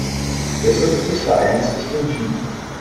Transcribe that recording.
Der Sitz des Vereins ist in Wien.